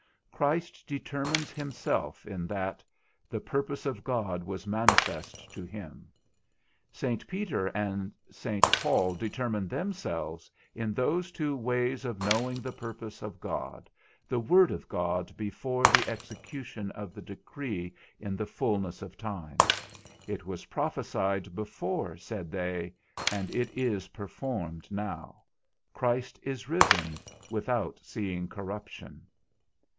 Christ determines himself in that, the purpose of God was manifest to him; Saint Peter and Saint Paul determine themselves in those two ways of knowing the purpose of God, the word of God before the execution of the decree in the fulness of time. It was prophesied before, said they, and it is performed now, Christ is risen without seeing corruption.